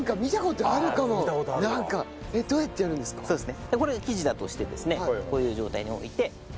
そうですね。